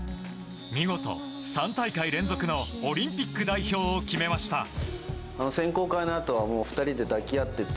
見事、３大会連続のオリンピック代表を決めました。